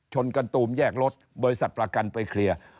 ชนกันตูมแยกรถบริษัทประกันไปเคลียร์